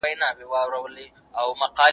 خپله هڅه په پرله پسې ډول جاري وساتئ.